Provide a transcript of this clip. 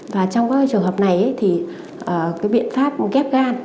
và trong các trường hợp này thì cái biện pháp ghép gan